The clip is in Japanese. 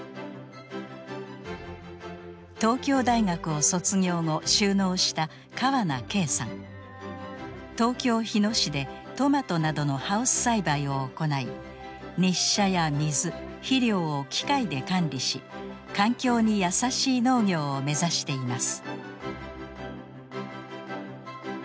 東京大学を卒業後就農した東京日野市でトマトなどのハウス栽培を行い日射や水肥料を機械で管理し環境にやさしい農業を目指しています。